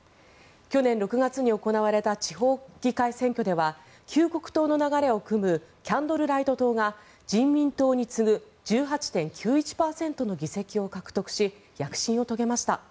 去年６月に行われた地方議会選挙では救国党の流れをくむキャンドルライト党が人民党に次ぐ１８．９１％の議席を獲得し躍進を遂げました。